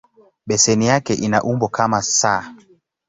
Beseni yake ina umbo kama "S".